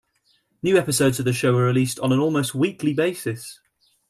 New episodes of the show are released on an almost weekly basis.